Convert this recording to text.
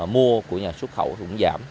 mua của nhà xuất khẩu cũng giảm